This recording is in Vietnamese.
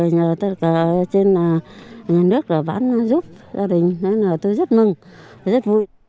nhờ tất cả trên nhà nước bán giúp gia đình nên tôi rất mừng rất vui